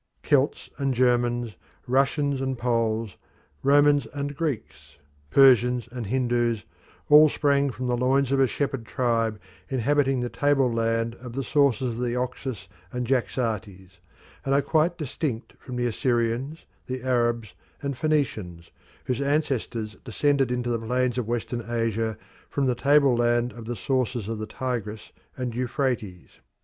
Celts and Germans, Russians and Poles, Romans and Greeks, Persians and Hindus, all sprang from the loins of a shepherd tribe inhabiting the tableland of the sources of the Oxus and Jaxartes, and are quite distinct from the Assyrians, the Arabs, and Phoenicians, whose ancestors descended into the plains of Western Asia from the tableland of the sources of the Tigris and Euphrates.